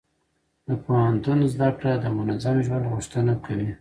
د پوهنتون زده کړه د منظم ژوند غوښتنه کوي.